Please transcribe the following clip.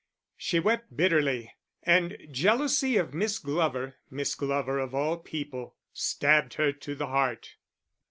She wept bitterly, and jealousy of Miss Glover (Miss Glover, of all people!) stabbed her to the heart.